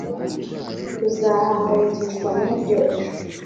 tuzahangayikishwa nibyo ejo